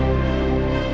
nanti kita ke rumah